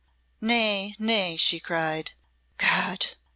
"Nay, nay," she cried. "God!